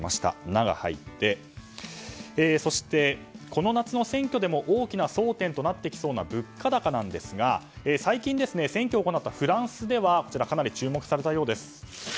「ナ」が入ってこの夏の選挙でも大きな争点となってきそうな物価高ですが最近、選挙を行ったフランスではかなり注目されたようです。